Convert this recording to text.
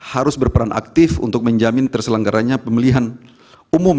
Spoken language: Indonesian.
harus berperan aktif untuk menjamin terselenggaranya pemilihan umum